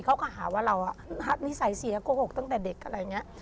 เขาก็หาว่าเรานิสัยเสียโกหกตั้งแต่เด็กอะไรอย่างนี้